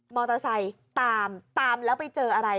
มอเตอร์ไซค์ตามตามแล้วไปเจออะไร